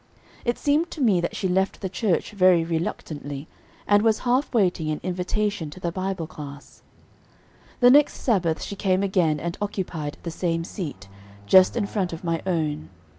It seemed to me that she left the church very reluctantly, and was half waiting an invitation to the Bible class. The next Sabbath she came again and occupied the same seat, just in front of my own.